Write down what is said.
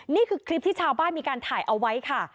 นี่คือคลิปที่ชาวบ้านมีการถ่ายเอาไว้ค่ะ